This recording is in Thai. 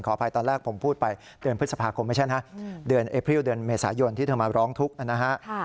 อภัยตอนแรกผมพูดไปเดือนพฤษภาคมไม่ใช่นะเดือนเอพริวเดือนเมษายนที่เธอมาร้องทุกข์นะฮะ